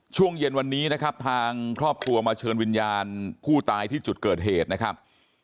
ช่วงเย็นวันนี้นะครับทางครอบครัวมาเชิญวิญญาณผู้ตายที่จุดเกิดเหตุนะครับ